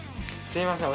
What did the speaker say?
すいません